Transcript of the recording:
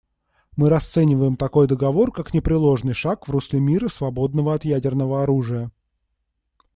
Мы расцениваем такой договор как непреложный шаг в русле мира, свободного от ядерного оружия.